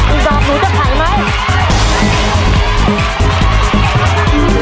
อีกดอกหนูจะไขไหม